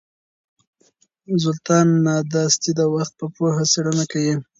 زولتان ناداسدي د وخت په پوهه څېړنه کوي.